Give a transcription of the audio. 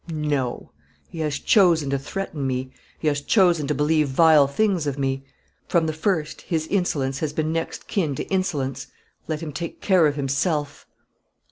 No; he has chosen to threaten me; he has chosen to believe vile things of me. From the first his indifference has been next kin to insolence. Let him take care of himself."